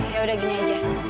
ya udah gini aja